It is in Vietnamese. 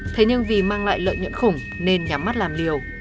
thế nhưng vì mang lại lợi nhuận khủng nên nhắm mắt làm liều